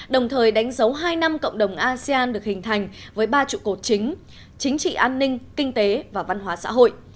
đồng thời đánh dấu hai năm cộng đồng asean được hình thành với ba trụ cột chính chính trị an ninh kinh tế và văn hóa xã hội